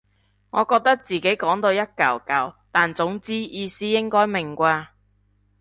我覺得自己講到一嚿嚿但總之意思應該明啩